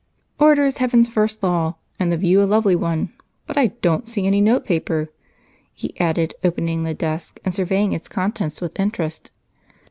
"Order is heaven's first law, and the view a lovely one, but I don't see any notepaper," he added, opening the desk and surveying its contents with interest.